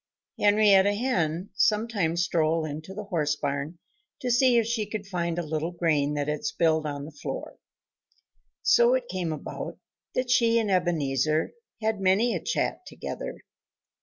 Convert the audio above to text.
Henrietta Hen sometimes strolled into the horse barn to see if she could find a little grain that had spilled on the floor. So it came about that she and Ebenezer had many a chat together.